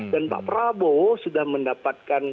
dan pak prabowo sudah mendapatkan